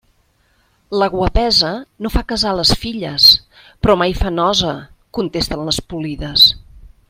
La guapesa no fa casar les filles, però mai fa nosa, contesten les polides.